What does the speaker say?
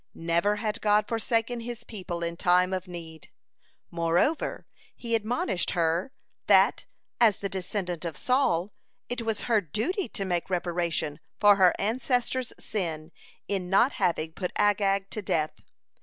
Never had God forsaken His people in time of need. Moreover, he admonished her, that, as the descendant of Saul, it was her duty to make reparation for her ancestor's sin in not having put Agag to death.